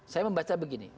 saya membaca begini